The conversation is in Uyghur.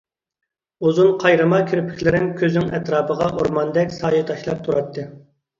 ئۇزۇن قايرىما كىرپىكلىرىڭ كۆزۈڭ ئەتراپىغا ئورماندەك سايە تاشلاپ تۇراتتى.